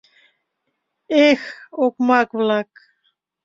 — Эх, окмак-влак.